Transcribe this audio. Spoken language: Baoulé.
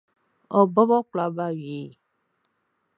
Ɔ bɔbɔ kwla ba wie.